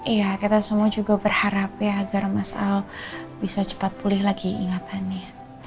iya kita semua juga berharap ya agar mas al bisa cepat pulih lagi ingatannya